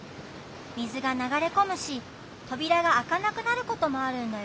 みずがながれこむしとびらがあかなくなることもあるんだよ。